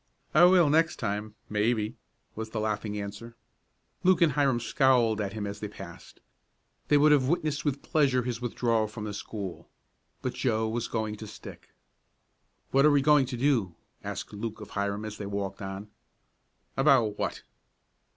"I will next time maybe," was the laughing answer. Luke and Hiram scowled at him as they passed. They would have witnessed with pleasure his withdrawal from the school. But Joe was going to stick. "What are we going to do?" asked Luke of Hiram as they walked on. "About what?"